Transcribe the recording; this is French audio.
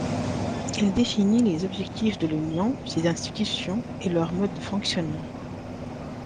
Elle définit les objectifs de l'Union, ses institutions et leur mode de fonctionnement.